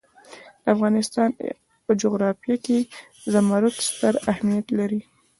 د افغانستان جغرافیه کې زمرد ستر اهمیت لري.